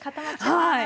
はい。